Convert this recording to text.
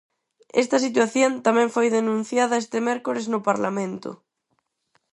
Esta situación tamén foi denunciada este mércores no Parlamento.